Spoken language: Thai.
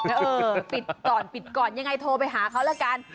เออปิดก่อนปิดก่อนยังไงโทรไปหาเขาละกัน